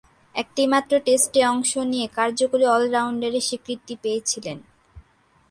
একটিমাত্র টেস্টে অংশ নিয়ে কার্যকরী অল-রাউন্ডারের স্বীকৃতি পেয়েছিলেন।